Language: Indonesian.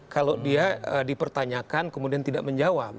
kalau dia dipertanyakan kemudian tidak menjawab